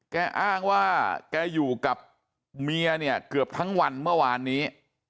อ้างว่าแกอยู่กับเมียเนี่ยเกือบทั้งวันเมื่อวานนี้